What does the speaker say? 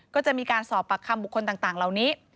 ก็จะมีการสอบปากคำบุคคลต่างเหล่านี้